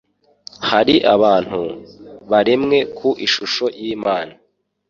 Hari abantu, baremwe ku ishusho y'Imana